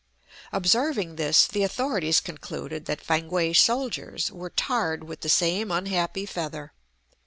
Observing this, the authorities concluded that Fankwae soldiers were tarred with the same unhappy feather.